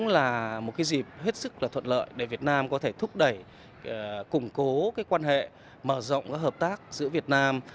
là một dịp hết sức thuận lợi để việt nam có thể thúc đẩy củng cố quan hệ mở rộng hợp tác giữa việt nam